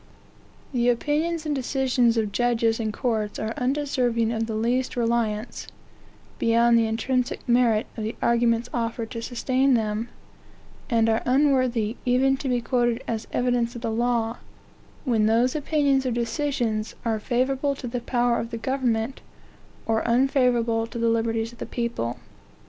The opinions and decisions of judges and courts are undeserving of the least reliance, (beyond the intrinsic merit of the arguments offered to sustain them,) and are unworthy even to be quoted as evidence of the law, when those opinions or decisions are favorable to the power of the government, or unfavorable to the liberties of the people.